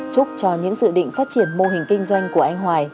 chúc cho những dự định phát triển mô hình kinh doanh của anh hoài